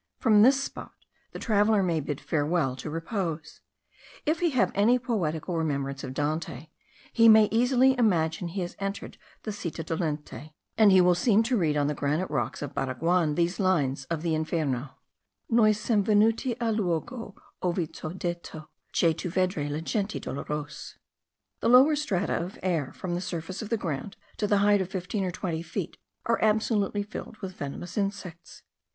From this spot the traveller may bid farewell to repose. If he have any poetical remembrance of Dante, he may easily imagine he has entered the citta dolente, and he will seem to read on the granite rocks of Baraguan these lines of the Inferno: Noi sem venuti al luogo, ov' i' t'ho detto Che tu vedrai le genti dolorose. The lower strata of air, from the surface of the ground to the height of fifteen or twenty feet, are absolutely filled with venomous insects.